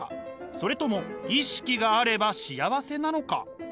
それとも意識があれば幸せなのか。